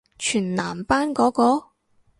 全男班嗰個？